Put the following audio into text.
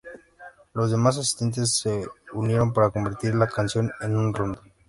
Los demás asistentes se unieron para convertir la canción en un rondó.